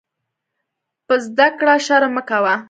په زده کړه شرم مه کوۀ.